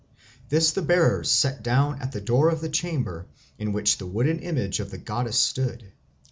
This the bearers set down at the door of the chamber in which the wooden image of the goddess stood.